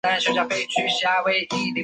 另外他拥有巴西及安哥拉双重国籍。